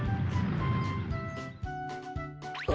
あ？